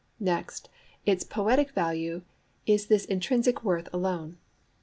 Next, its poetic value is this intrinsic worth alone.